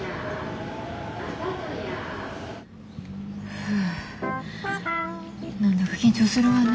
ふ何だか緊張するわね。